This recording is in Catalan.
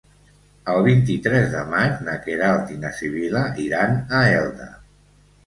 El vint-i-tres de maig na Queralt i na Sibil·la iran a Elda.